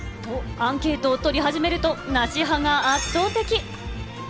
アンケートを取り始めると、なし派が圧倒的。